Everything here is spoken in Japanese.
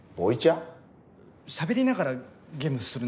しゃべりながらゲームするんです。